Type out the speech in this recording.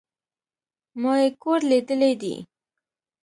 ما ئې کور ليدلى دئ